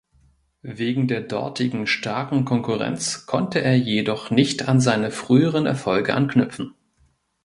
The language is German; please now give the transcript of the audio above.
Wegen der dortigen starken Konkurrenz konnte er jedoch nicht an seine früheren Erfolge anknüpfen.